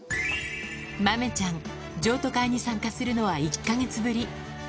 豆ちゃん譲渡会に参加するのは１か月ぶり